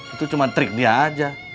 itu cuma trik dia aja